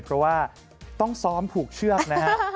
เพราะว่าต้องซ้อมผูกเชือกนะฮะ